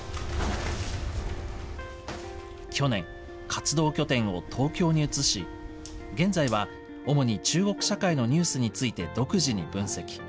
去年、活動拠点を東京に移し、現在は主に中国社会のニュースについて独自に分析。